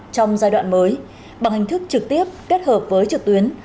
trong giai đoạn mới bằng hình thức trực tiếp kết hợp với trực tuyến